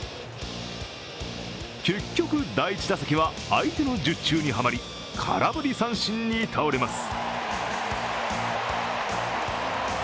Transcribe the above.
結局、第１打席は相手の術中にはまり空振り三振に倒れます。